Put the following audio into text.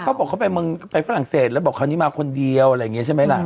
เขาบอกเขาไปเมืองไปฝรั่งเศสแล้วบอกคราวนี้มาคนเดียวอะไรอย่างนี้ใช่ไหมล่ะ